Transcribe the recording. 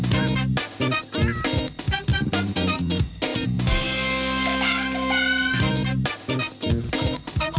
โธรขอบคุณครับ